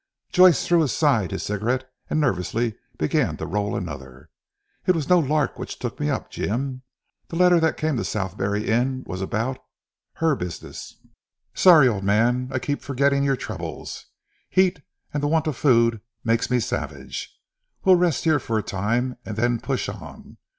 Joyce threw aside his cigarette and nervously began to roll another. "It was no lark which took me up Jim. The letter that came to the Southberry Inn was about her business." "Sorry old man. I keep forgetting your troubles. Heat and the want of food make me savage. We'll rest here for a time, and then push on.